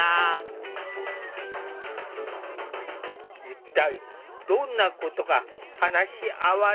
一体どんなことが話し合われるのか？